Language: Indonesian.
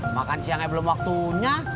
makan siangnya belum waktunya